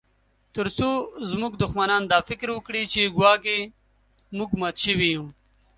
ترڅو زموږ دښمنان دا فکر وکړي چې ګواکي موږ مات شوي یو